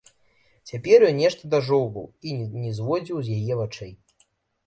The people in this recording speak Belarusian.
Цяпер ён нешта дажоўваў і не зводзіў з яе вачэй.